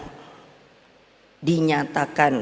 bahwa ini pilih pilpres sudah dinyatakan